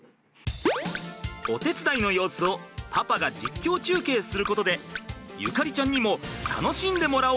お手伝いの様子をパパが実況中継することで縁ちゃんにも楽しんでもらおうという作戦。